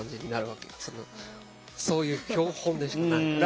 そういう標本でしかないから。